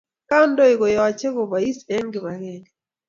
Kandoi koyache kobais en kibakeng